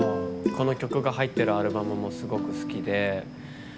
この曲が入ってるアルバムもすごく好きで。